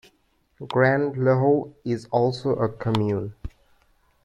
Grand-Lahou is also a commune.